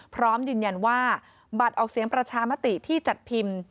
พร้อมยืนยันว่าบัตรออกเสียงประชามติที่จัดพิมพ์